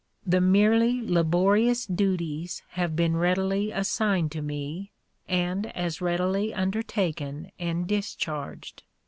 The merely laborious duties have been readily assigned to me, and as readily undertaken and discharged.